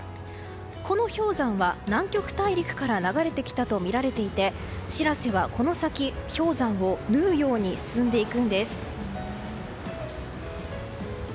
この氷山は南極大陸から流れてきたとみられていて「しらせ」はこの先、氷山を縫うように進んでいくんです。